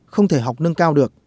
không thể học nâng cao được